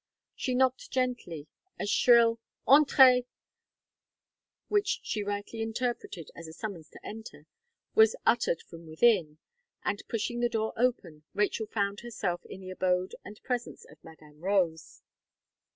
She knocked gently; a shrill "entrez," which she rightly interpreted as a summons to enter, was uttered from within; and pushing the door open, Rachel found herself in the abode and presence of Madame Rose.